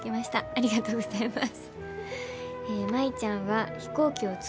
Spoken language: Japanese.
ありがとうございます。